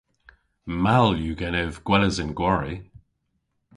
Mall yw genev gweles an gwari.